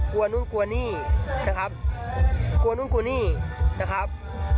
กลัวนู้นกลัวนี่นะครับ